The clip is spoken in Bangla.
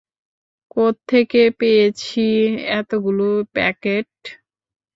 কোত্থেকে পেয়েছি এতোগুলো প্যাকেট?